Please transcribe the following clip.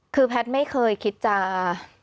คือแพทย์ไม่เคยคิดจะ